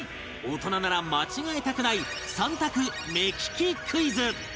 大人なら間違えたくない３択目利きクイズ